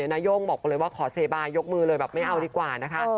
นาย่งบอกเลยว่าขอเซบายยกมือเลยแบบไม่เอาดีกว่านะคะ